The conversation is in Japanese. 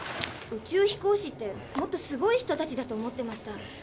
宇宙飛行士ってもっとすごい人たちだと思ってました。